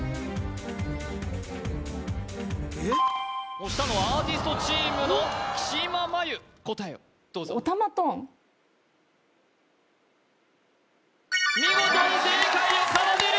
押したのはアーティストチームの木嶋真優答えをどうぞ見事に正解を奏でる！